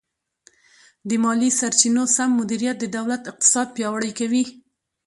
د مالي سرچینو سم مدیریت د دولت اقتصاد پیاوړی کوي.